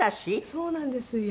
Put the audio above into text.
そうなんです。